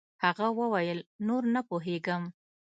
هغه وويل نور نه پوهېږم.